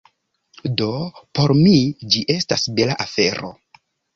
do por mi ĝi estas bela afero